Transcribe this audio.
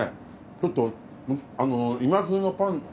ちょっと今風のパン。